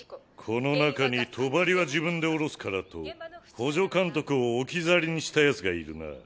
この中に「帳は自分で下ろすから」と補助監督を置き去りにしたヤツがいるな。